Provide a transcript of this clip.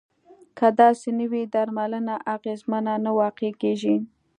که داسې نه وي درملنه اغیزمنه نه واقع کیږي.